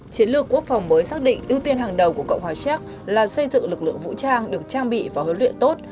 chiến lược quốc phòng mới xác định ưu tiên hàng đầu của cộng hòa xéc là xây dựng lực lượng vũ trang được trang bị và huấn luyện tốt